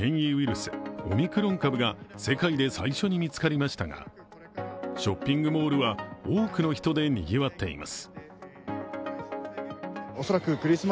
スオミクロン株が世界で最初に見つかりましたがショッピングモールは多くの人でにぎわっています。